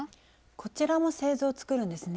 こちらも製図を作るんですね。